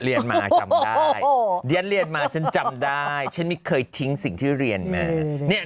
เรียนมาจำได้เรียนเรียนมาฉันจำได้ฉันไม่เคยทิ้งสิ่งที่เรียนมา